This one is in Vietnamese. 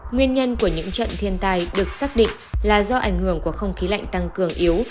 nguyên nhân của những trận thiên tai được xác định là do ảnh hưởng của không khí lạnh tăng cường yếu